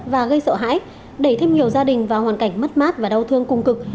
và gây sợ hãi đẩy thêm nhiều gia đình vào hoàn cảnh mất mát và đau thương cung cực